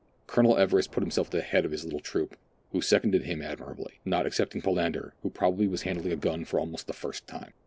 Colonel Everest put himself at the head of his little troop, who seconded him admirably, not excepting Palander, who probably was handling a gun for almost the first time.